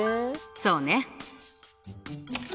そうね。